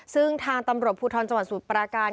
ซึ่งทางตำรวจภูทธรรมสมุทรประการ